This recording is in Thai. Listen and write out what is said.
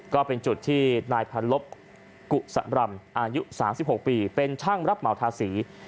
ก็เป็นจุดที่นายพันลบกุศรำอายุ๓๖ปีเป็นช่างรับเหมาทาสี